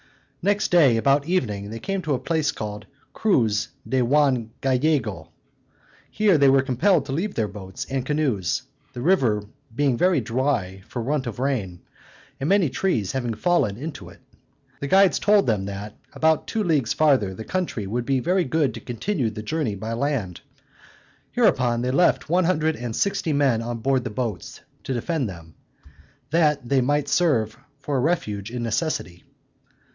Next day, about evening, they came to a place called Cruz de Juan Gallego. Here they were compelled to leave their boats and canoes, the river being very dry for want of rain, and many trees having fallen into it. The guides told them, that, about two leagues farther, the country would be very good to continue the journey by land. Hereupon they left one hundred and sixty men on board the boats, to defend them, that they might serve for a refuge in necessity.